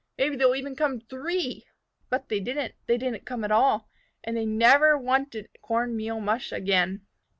Maybe they'll even come three!" But they didn't. They didn't come at all. And they never wanted corn meal mush again.